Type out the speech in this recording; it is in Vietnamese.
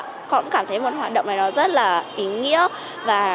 con cũng cảm thấy một hoạt động này rất là ý nghĩa